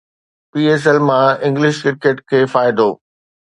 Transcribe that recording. P S L مان English cricket کي فائدو